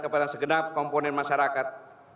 kepada segenap komponen masyarakat